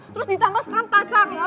terus ditambah sekarang pacarnya